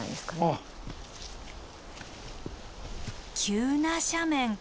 急な斜面。